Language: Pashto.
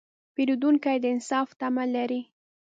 پیرودونکی د انصاف تمه لري.